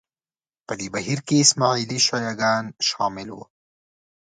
په دې بهیر کې اسماعیلي شیعه ګان شامل وو